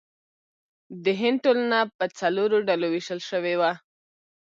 د هند ټولنه په څلورو ډلو ویشل شوې وه.